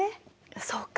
そうか。